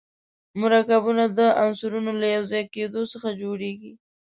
مرکبونه د عنصرونو له یو ځای کېدو څخه جوړیږي.